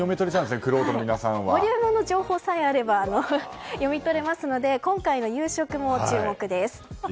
有名な情報さえあれば読み取れますので今回の夕食も注目です。